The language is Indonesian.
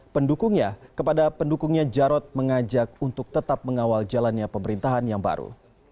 pendukungnya kepada pendukungnya jarod mengajak untuk tetap mengawal jalannya pemerintahan yang baru